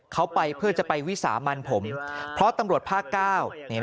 เขาไปเพื่อจะไปวิสามันผมเพราะตำรวจภาคเก้า